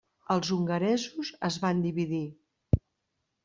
Els hongaresos es van dividir.